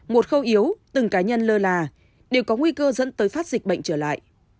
một khâu yếu từng cá nhân lơ là đều có nguy cơ dẫn tới phát dịch bệnh trở lại